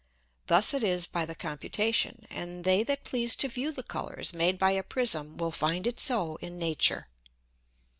Thus it is by the computation: And they that please to view the Colours made by a Prism will find it so in Nature.